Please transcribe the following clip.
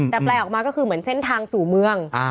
แต่แปลออกมาก็คือเหมือนเส้นทางสู่เมือง